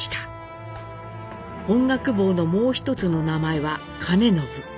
本覚坊のもう一つの名前は兼延。